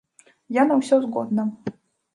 Я на ўсё згодна.